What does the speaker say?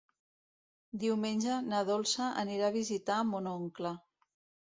Diumenge na Dolça anirà a visitar mon oncle.